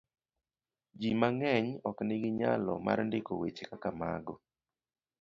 Ji mang'eny ok nigi nyalo mar ndiko weche kaka mago.